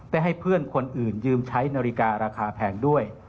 ให้เพื่อนคนอื่นยืมใช้นาฬิการาคาแพงด้วย